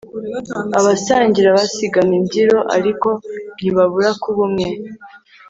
abasangira basigana imbyiro ariko ntibabura kuba umwe